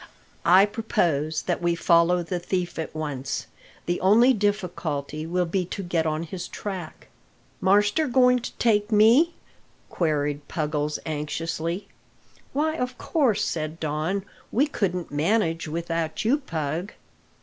I propose that we follow the thief at once. The only difficulty will be to get on his track." "Marster going take me?" queried Puggles anxiously. "Why, of course," said Don; "we couldn't manage without you, Pug."